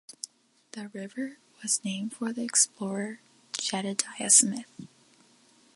The river was named for the explorer Jedediah Smith.